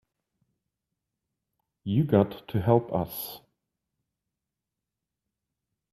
You got to help us.